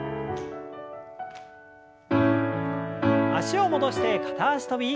脚を戻して片脚跳び。